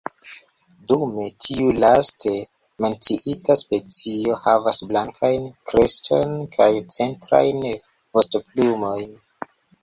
Dume tiu laste menciita specio havas blankajn kreston kaj centrajn vostoplumojn.